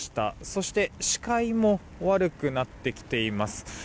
そして、視界も悪くなってきています。